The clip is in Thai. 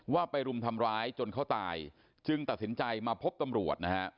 ว่าไปรุมทำร้ายจนเขาตายจึงตัดสินใจมาพบตำรวจนะฮะ